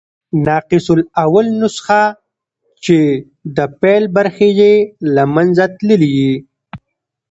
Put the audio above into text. ناقص الاول نسخه، چي د پيل برخي ئې له منځه تللي يي.